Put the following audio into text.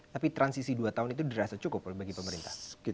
tapi transisi dua tahun itu dirasa cukup bagi pemerintah